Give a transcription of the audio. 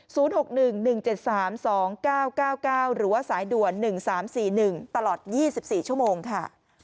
๐๖๑๑๗๓๒๙๙๙หรือว่าสายด่วน๑๓๔๑ตลอด๒๔ชั่วโมงค่ะ